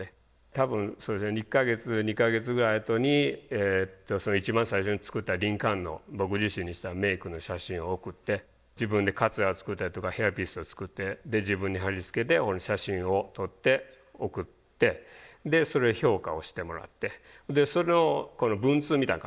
多分それで２か月２か月ぐらいあとに一番最初に作ったリンカーンの僕自身にしたメイクの写真を送って自分でかつら作ったりとかヘアピースを作ってで自分に貼り付けて写真を撮って送ってでそれを評価をしてもらってその文通みたいな感じですね。